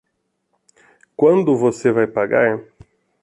Quando você vai pagar?